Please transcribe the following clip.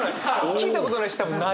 聞いたことないし多分ない。